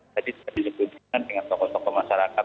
tadi sudah disebutkan dengan tokoh tokoh masyarakat